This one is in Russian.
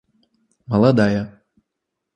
молодая